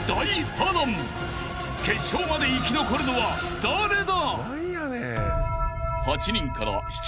［決勝まで生き残るのは誰だ！？］